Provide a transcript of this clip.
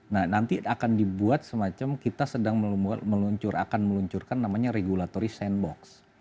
nah nanti akan dibuat semacam kita sedang akan meluncurkan namanya regulatory sandbox